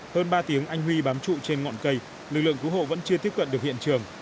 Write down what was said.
hơn ba tiếng anh huy bám trụ trên ngọn cây lực lượng cứu hộ vẫn chưa tiếp cận được hiện trường